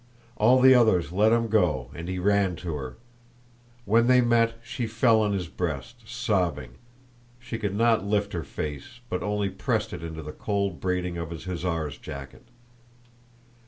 All the others let him go, and he ran to her. When they met, she fell on his breast, sobbing. She could not lift her face, but only pressed it to the cold braiding of his hussar's jacket.